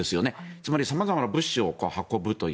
つまり様々な物資を運ぶという。